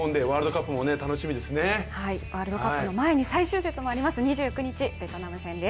ワールドカップの前に最終節もあります、２９日。